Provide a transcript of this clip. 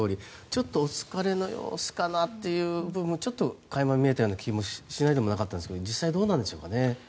ちょっとお疲れの様子かなっていう部分もちょっと垣間見えたような気もしないでもなかったんですが実際どうなんでしょうかね。